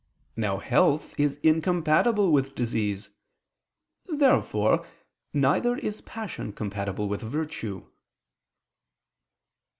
Now health is incompatible with disease. Therefore neither is passion compatible with virtue.